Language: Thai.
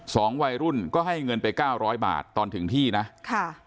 สองวัยรุ่นก็ให้เงินไป๙๐๐บาทตอนถึงที่นะค่ะ